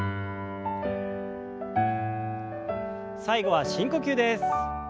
最後は深呼吸です。